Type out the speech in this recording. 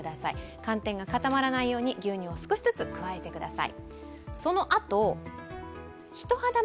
寒天が固まらないように牛乳を少しずつ加えてください。